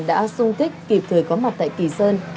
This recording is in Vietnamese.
đã sung kích kịp thời có mặt tại kỳ sơn